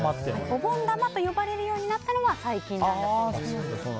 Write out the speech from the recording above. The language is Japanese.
お盆玉と呼ばれるようになったのは最近なんだそうです。